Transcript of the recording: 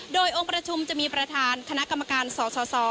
โดยองค์ประชุมจะมีประธานคณะกรรมการสส